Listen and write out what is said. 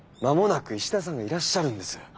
間もなく石田さんがいらっしゃるんです。